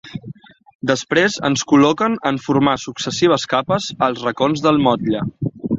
Després es col·loquen en formar successives capes, als racons del motlle.